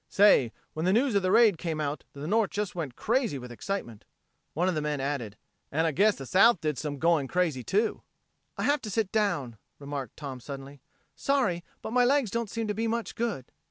Say, when the news of the raid came out, the North just went crazy with excitement." One of the men added: "And I guess the South did some going crazy, too." "I have to sit down," remarked Tom suddenly. "Sorry, but my legs don't seem to be much good."